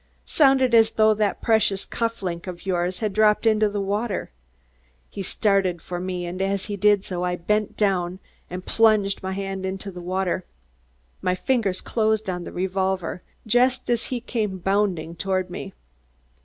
"Sounded as though that precious cuff link of yours had dropped into the water." He started for me, and as he did so, I bent down quickly and plunged my arm into the water. My fingers closed on the revolver just as he came bounding toward me.